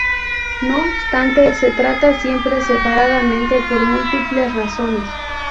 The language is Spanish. No obstante, se trata siempre separadamente por múltiples razones.